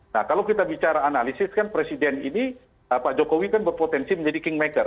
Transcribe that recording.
nah kalau kita bicara analisis kan presiden ini pak jokowi kan berpotensi menjadi kingmaker